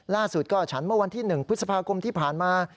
ล่าสุดก็ฉันเมื่อวันที่๑พฤษภาคมที่ผ่านมา